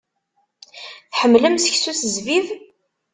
Tḥemmlem seksu s zzbib?